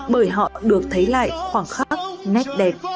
bởi họ được thấy lại khoảng khắc nét đẹp